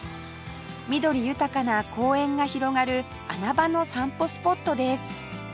緑豊かな公園が広がる穴場の散歩スポットです